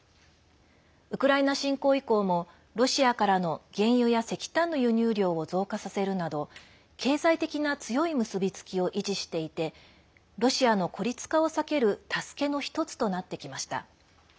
ウクライナ侵攻以降もロシアからの原油や石炭の輸入量を増加させるなど経済的な強い結びつきを維持していてロシアの孤立化を避ける助けの一つとなってきました。